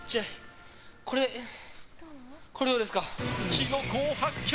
キノコを発見！